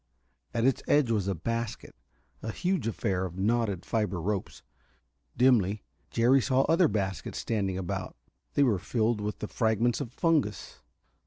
At its edge was a basket, a huge affair of knotted fiber ropes. Dimly, Jerry saw other baskets standing about: they were filled with the fragments of fungus.